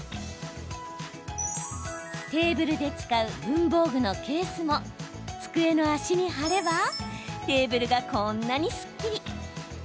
テーブルで使う文房具のケースも机の脚に貼ればテーブルが、こんなにすっきり。